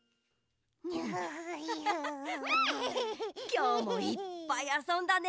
きょうもいっぱいあそんだね。